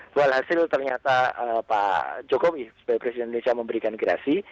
bual hasil ternyata pak jokowi sebagai presiden indonesia memberikan gerasi